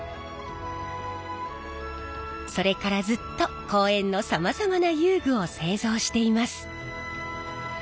それからずっと公園のさまざまな遊具を製造しています。